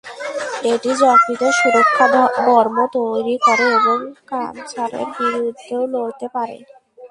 এটি যকৃতে সুরক্ষা বর্ম তৈরি করে এবং ক্যানসারের বিরুদ্ধেও লড়তে পারে।